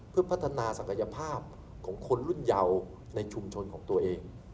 เพื่อพัฒนาศักยภาพของคนรุ่นเยาในชุมชนของตัวเอง